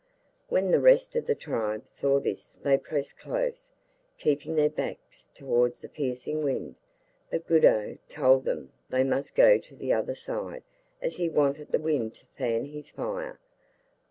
When the rest of the tribe saw this they pressed close, keeping their backs towards the piercing wind, but Guddhu told them they must go to the other side, as he wanted the wind to fan his fire.